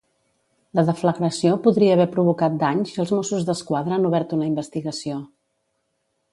La deflagració podria haver provocat danys i els Mossos d'Esquadra han obert una investigació.